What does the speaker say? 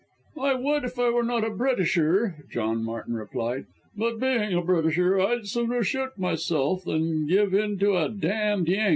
"I would if I were not a Britisher," John Martin replied, "but being a Britisher I'd sooner shoot myself than give in to a d d Yank!"